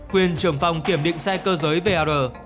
quyền trưởng phòng kiểm định xe cơ giới vr